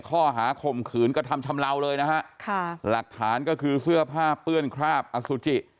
ข้อหาข่มขืนกระทำชำเลาเลยนะฮะค่ะหลักฐานก็คือเสื้อผ้าเปื้อนคราบอสุจิ